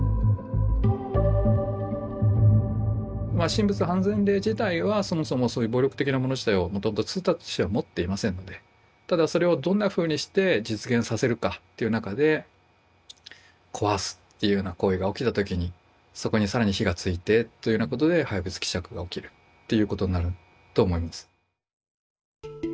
神仏判然令自体はそもそもそういう暴力的なもの自体をもともと通達としては持っていませんのでただそれをどんなふうにして実現させるかっていう中で壊すっていうような行為が起きた時にそこに更に火がついてというようなことで廃仏毀釈が起きるっていうことになると思います。